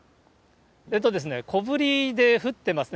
小降りで降ってますね。